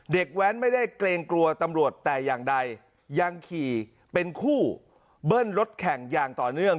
แว้นไม่ได้เกรงกลัวตำรวจแต่อย่างใดยังขี่เป็นคู่เบิ้ลรถแข่งอย่างต่อเนื่อง